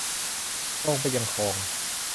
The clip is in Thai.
ตรงไปยังคลอง